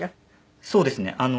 そうですね。